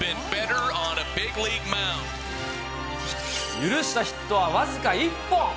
許したヒットは僅か１本。